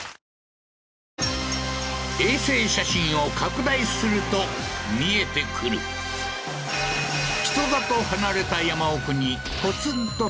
衛星写真を拡大すると見えてくる人里離れた